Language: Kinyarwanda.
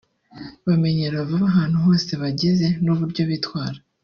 Bamenyera vuba ahantu hose bageze n’uburyo bitwara